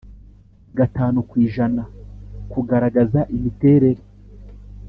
gatanu ku ijana kugaragaza imiterere